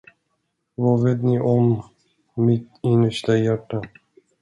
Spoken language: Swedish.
Vad vet ni om mitt innersta hjärta?